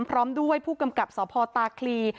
พร้อมด้วยผู้กำกับสพตาคลี